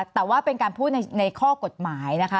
แต่ว่าเป็นการพูดในข้อกฎหมายนะคะ